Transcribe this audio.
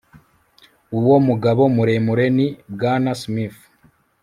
uwo mugabo muremure ni bwana smith